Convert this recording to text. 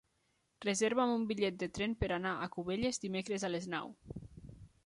Reserva'm un bitllet de tren per anar a Cubelles dimecres a les nou.